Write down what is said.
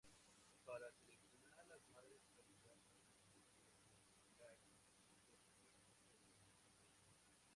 Para seleccionar las madres candidatas a recibir profilaxis antibiótica existen dos estrategias.